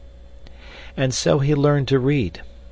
And so he learned to read.